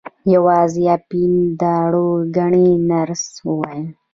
یوازې اپین دارو ګڼي نرس وویل.